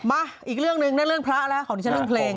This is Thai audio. มาอีกเรื่องหนึ่งนะเรื่องพระแล้วของดิฉันเรื่องเพลง